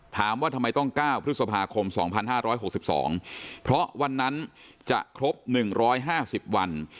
ถามว่าทำไมต้อง๙พฤษภาคม๒๕๖๒เพราะวันนั้นจะครบ๑๕๐วัน